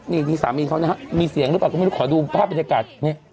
นี่ที่สามีเขามีเสียงรึเปล่าก็ไม่รู้ขอดูภาพอินเกิด